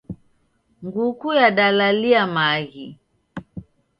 Nguku yadalalia maghi.